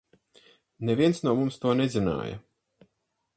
Neviens no mums to nezināja.